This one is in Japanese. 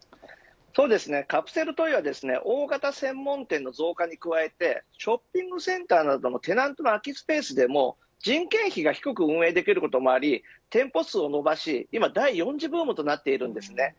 カプセルトイは大型専門店の増加に加えてショッピングセンターなどのテナントの空きスペースでも人件費が低く運営できることもあり店舗数を伸ばし、今第４次ブームとなっています。